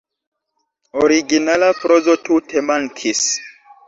Originala prozo tute mankis.